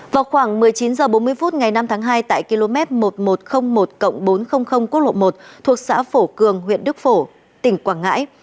vào khoảng một mươi chín h bốn mươi phút ngày năm tháng hai tại km một nghìn một trăm linh một bốn trăm linh quốc lộ một thuộc xã phổ cường huyện đức phổ tỉnh quảng ngãi